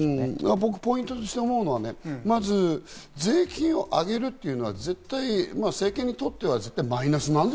僕、ポイントとして思うのは、まず税金を上げるというのは政権にとっては絶対マイナス。